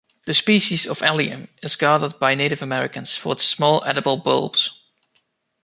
This species of "Allium" is gathered by Native Americans for its small edible bulbs.